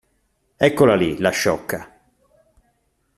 Eccola lì la sciocca!